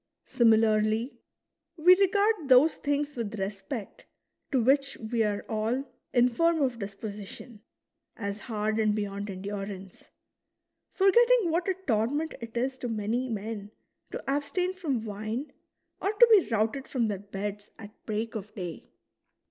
Similarly, we regard those things with respect to which we are all infirm of disposi tion, as hard and beyond endurance, forgetting what a torment it is to many men to abstain from wine or to be routed from their beds at break of day.